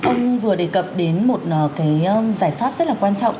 ông vừa đề cập đến một cái giải pháp rất là quan trọng